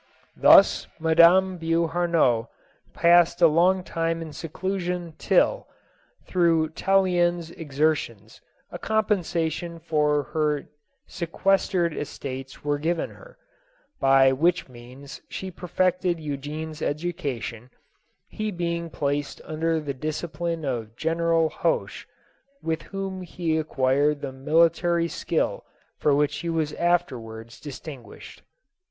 Thus Madame Beauharnois passed a long time in seclusion till, through Tallien's exertions, a compensation for her se questered estates was given her, by which means she perfected Eugene's education, he being placed under the discipline of General Iloche, with whom he ao» quired the military skill for which he was afterwards distinguished.